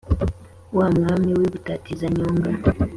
wa mwami w’i butazika, nyonga,